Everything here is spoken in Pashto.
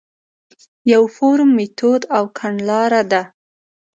یو فورم، میتود او کڼلاره ده.